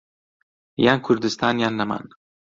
یان كوردستان یان نەمان